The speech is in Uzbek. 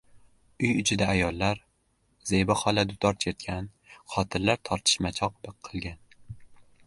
Uy ichida ayollar, Zebi xola dutor chertgan, xotinlar tortishmachoq qilgan...